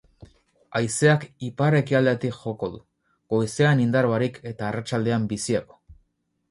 Haizeak ipar-ekialdetik joko du, goizean indar barik eta arratsaldean biziago.